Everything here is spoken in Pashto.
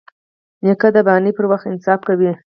نیکه د بانې پر وخت انصاف کوي.